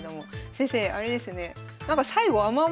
先生あれですよね？